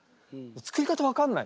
作り方分かんない。